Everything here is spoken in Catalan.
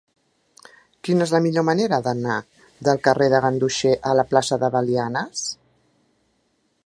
Quina és la millor manera d'anar del carrer de Ganduxer a la plaça de Belianes?